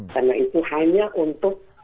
karena itu hanya untuk